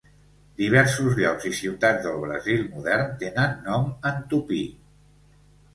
Diversos llocs i ciutats del Brasil modern tenen nom en tupí.